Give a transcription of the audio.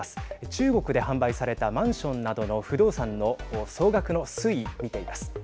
中国で販売されたマンションなどの不動産の総額の推移、見ています。